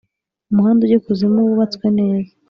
umuhanda ujya ikuzimu wubatswe neza